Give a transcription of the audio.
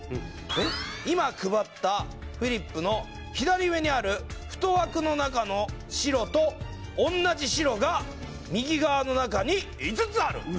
今配ったフリップの左上にある太枠の中の白と同じ白が右側の中に５つある。